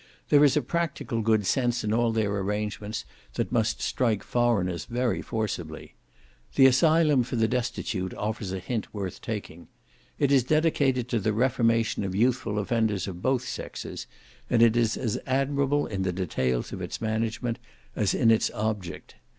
There is a practical good sense in all their arrangements that must strike foreigners very forcibly. The Asylum for the Destitute offers a hint worth taking. It is dedicated to the reformation of youthful offenders of both sexes, and it is as admirable in the details of its management, as in its object.